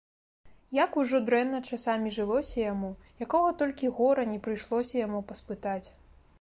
Як ужо дрэнна часамі жылося яму, якога толькі гора не прыйшлося яму паспытаць!